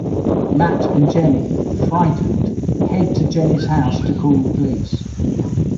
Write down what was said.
Matt and Jenny, frightened, head to Jenny's house to call the police.